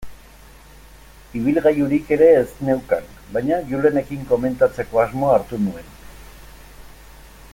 Ibilgailurik ere ez neukan, baina Julenekin komentatzeko asmoa hartu nuen.